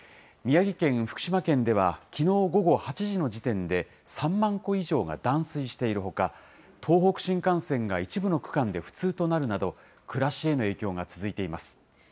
宮城県、福島県では、きのう午後８時の時点で、３万戸以上が断水しているほか、東北新幹線が一部の区間で不通となるなど、暮らしへの影響が続いています。